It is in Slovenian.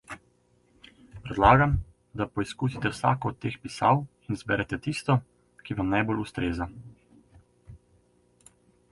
Predlagam, da preizkusite vsako od teh pisav in izberete tisto, ki vam najbolj ustreza.